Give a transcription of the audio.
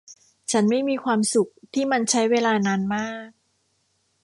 ฉันไม่มีความสุขที่มันใช้เวลานานมาก